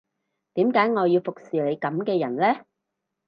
點解我要服侍你噉嘅人呢